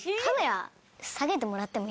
はい。